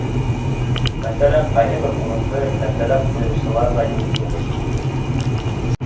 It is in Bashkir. Мәҫәлән, ҡайһы бер урынды кәртәләп ҡуйыусылар ҙа юҡ түгел.